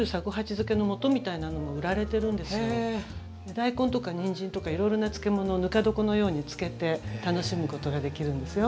大根とかにんじんとかいろいろな漬物をぬか床のように漬けて楽しむことができるんですよ。